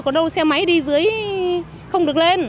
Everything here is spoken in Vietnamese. có đâu xe máy đi dưới không được lên